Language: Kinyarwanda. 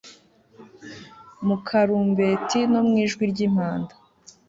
mu karumbeti no mu ijwi ry'impanda